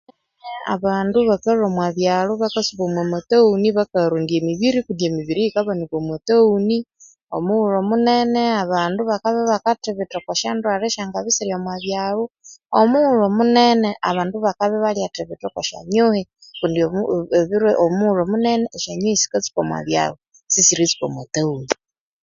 Abandu bakalhwa omwa byaro bakasuba omwattaghuni bakarondya emibiri kundi emibiri yikabanika omu ttaghuni omughulhu omune abandu bakabya ibalyathibitha okwa syondwalha esyangabya esiri omwabyalo omughulhu omunene andu bakabya ibalyathitha okwa esyonyuhe kundi omughulhu omunene esyonyuhe sikatsuka omwabyalo sisiritsuka oma ttaghuni